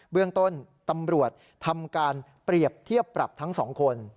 เรื่องต้นตำรวจทำการเปรียบเทียบปรับทั้งสองคน